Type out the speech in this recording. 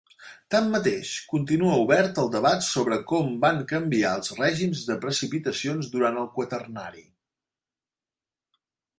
Tanmateix, continua obert el debat sobre com van canviar els règims de precipitacions durant el Quaternari.